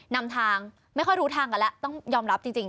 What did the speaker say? นำทางไม่ค่อยรู้ทางกันแล้วต้องยอมรับจริง